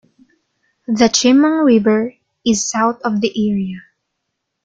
The Chemung River is south of the area.